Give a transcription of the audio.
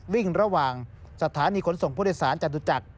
วิ่งระหว่างสถานีขนส่งผู้โดยสารจตุจักร